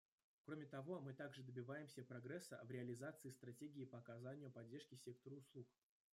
Кроме того, мы также добиваемся прогресса в реализации стратегий по оказанию поддержки сектору услуг.